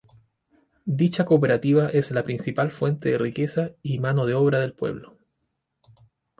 Dicha cooperativa es la principal fuente de riqueza y mano de obra del pueblo.